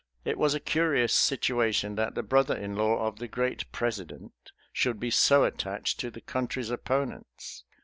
It was a curious situation, that the brother in law of the great President should be so attached to the country's opponents.